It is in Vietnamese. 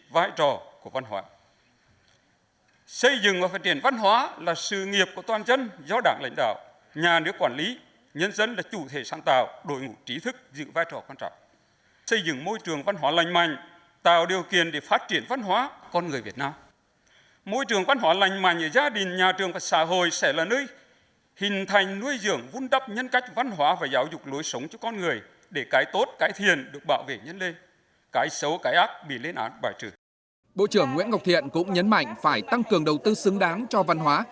bộ trưởng nguyễn ngọc thiện cũng nhấn mạnh phải tăng cường đầu tư xứng đáng cho văn hóa